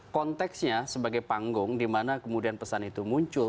conteksnya sebagai panggung dimana kemudian pesan itu muncul